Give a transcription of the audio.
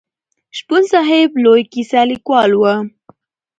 شپون صاحب لوی کیسه لیکوال و.